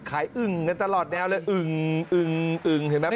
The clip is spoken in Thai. ขายอึ่งกันตลอดแนวเลยอึ่งอึ่งอึ่งเห็นปะป้าย